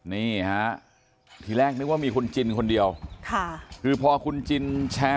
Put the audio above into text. นี่ฮะทีแรกนึกว่ามีคุณจินคนเดียวค่ะคือพอคุณจินแชร์